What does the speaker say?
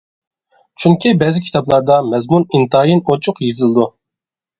چۈنكى، بەزى كىتابلاردا مەزمۇن ئىنتايىن ئوچۇق يېزىلىدۇ.